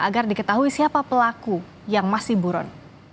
agar diketahui siapa pelaku yang masih buron